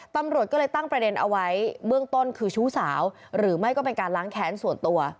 ตำรวจก็เลยตั้งประเด็นเอาไว้เบื้องต้นคือชู้สาวหรือไม่ก็เป็นการล้างแค้นส่วนตัว